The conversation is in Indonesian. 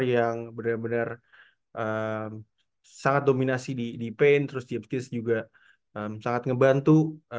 yang bener bener sangat dominasi di paint terus james keats juga sangat ngebantu